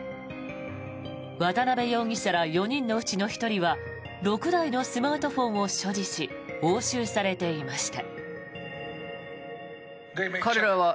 渡邉容疑者ら４人のうちの１人は６台のスマートフォンを所持し押収されていました。